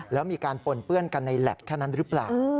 แล้วมีการปนเปื้อนกันในแล็บแค่นั้นหรือเปล่า